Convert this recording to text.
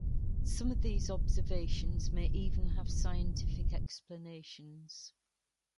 Some of these observations may even have scientific explanations.